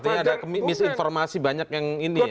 artinya ada misinformasi banyak yang ini ya